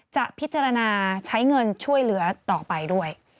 จะพิจารณาใช้เงินช่วยเหลือต่อไปด้วย